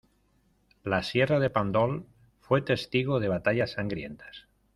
La sierra de Pàndols fue testigo de batallas sangrientas.